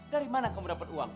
dari mana kamu dapat uang